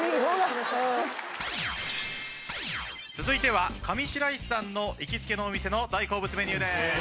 続いては上白石さんの行きつけのお店の大好物メニューです。